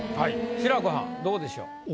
志らくはんどうでしょう？